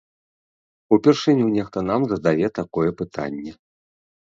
Упершыню нехта нам задае такое пытанне!